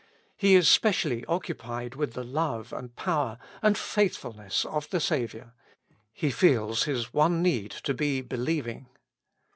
He is specially occupied with the love, and power, and faithfulness of the Saviour : he feels his one need to be believing.